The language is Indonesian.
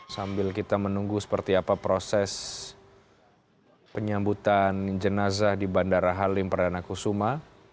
sambil kita menunggu seperti apa proses penyambutan jenazah di bandara halim perdana kusuma